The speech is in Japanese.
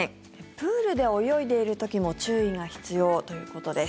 プールで泳いでいる時も注意が必要ということです。